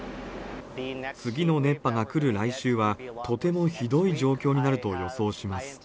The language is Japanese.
次の熱波が来る来週は、とてもひどい状況になると予想します。